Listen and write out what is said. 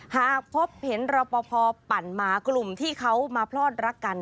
หากพบเห็นรอปภปั่นมากลุ่มที่เขามาพลอดรักกัน